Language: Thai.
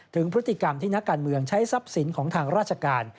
ถึงพฤติกรรมที่นักการเมืองใช้ทรัพย์สินของทางราชการ